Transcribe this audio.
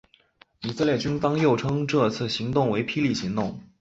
以色列军方又称这次行动为霹雳行动。